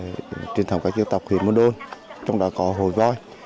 tổ chức lễ hội truyền thống các dân tộc huyện buôn đôn trong đó có hội voi